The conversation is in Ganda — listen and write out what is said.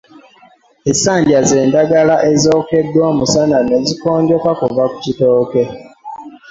Essanja zenddagala ez'okeddwa omusana n'ezikongoka kuva ku kitooke